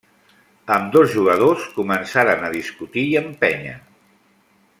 Ambdós jugadors començaren a discutir i empènyer.